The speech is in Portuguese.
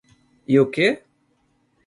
E o que?